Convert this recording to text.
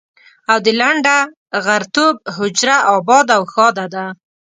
او د لنډه غرتوب حجره اباده او ښاده ده.